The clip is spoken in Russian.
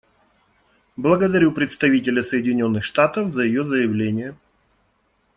Благодарю представителя Соединенных Штатов за ее заявление.